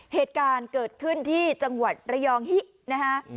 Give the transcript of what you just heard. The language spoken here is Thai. เหตุการณ์เกิดขึ้นที่จังหวัดระยองฮินะฮะ